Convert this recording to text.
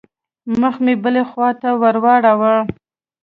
مخ مې بلې خوا ته واړاوه.